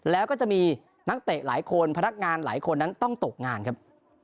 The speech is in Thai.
แล้วก็จะมีนักเตะหลายคนพนักงานหลายคนนั้นต้องตกงานครับ